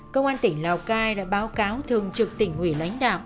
công an tỉnh lào cai đã báo cáo thường trực tỉnh ủy lãnh đạo